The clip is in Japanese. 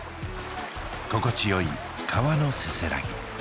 心地よい川のせせらぎ